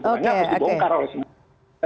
semuanya harus dibongkar oleh semua